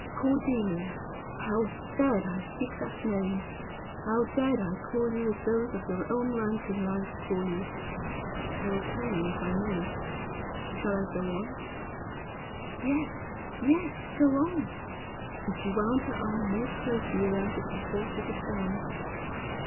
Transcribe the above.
Cordelia! How dared I speak that name? How dared I call you as those of your own rank in life call you? I will tell you, if I may. Shall I go on?" "Yes, yes; go on." And she wound her arm more closely around the support it had found.